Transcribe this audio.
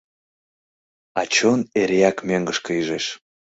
А чон эреак мӧҥгышкӧ ӱжеш.